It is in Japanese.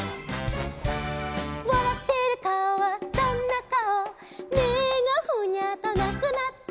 「わらってるかおはどんなかお」「目がフニャーとなくなって」